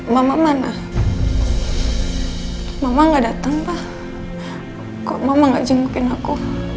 mama mana mama nggak datang pak kok mama nggak jemputin aku